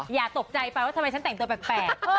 อย่าตกใจไปว่าทำไมฉันแต่งตัวแปลก